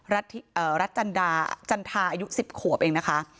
รัฐจันทาอายุ๑๐ขวบเองนะคะ